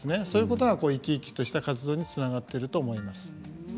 そういうことが生き生きとした活動につながっていると思います。